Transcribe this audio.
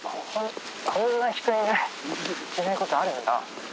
こんな人いないことあるんだ。